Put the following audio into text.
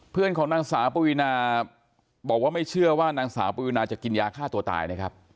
ของนางสาวปวีนาบอกว่าไม่เชื่อว่านางสาวปวีนาจะกินยาฆ่าตัวตายนะครับ